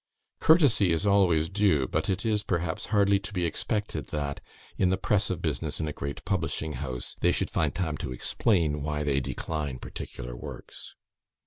Courtesy is always due; but it is, perhaps, hardly to be expected that, in the press of business in a great publishing house, they should find time to explain why they decline particular works.